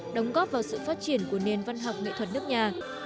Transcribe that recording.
đóng góp vào sự phát triển của nền văn học nghệ thuật nước nhà